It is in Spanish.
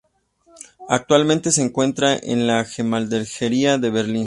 Actualmente se encuentra en la Gemäldegalerie de Berlín.